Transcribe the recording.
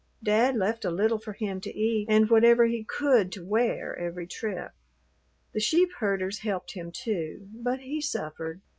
Dad left a little for him to eat and whatever he could to wear every trip. The sheep herders helped him, too. But he suffered.